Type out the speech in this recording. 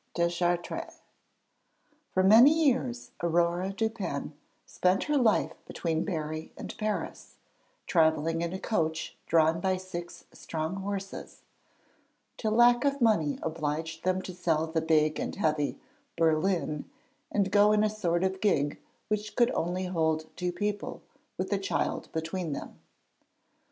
DESCHARTRES_ For many years Aurore Dupin spent her life between Berry and Paris, travelling in a coach drawn by six strong horses, till lack of money obliged them to sell the big and heavy 'Berlin,' and go in a sort of gig which could only hold two people, with a child between them.